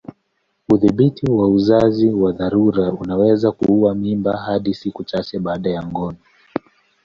Udhibiti wa uzazi wa dharura unaweza kuua mimba hadi siku chache baada ya ngono.